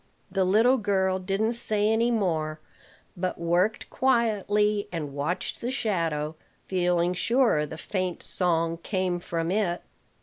The little girl didn't say any more, but worked quietly and watched the shadow, feeling sure the faint song came from it.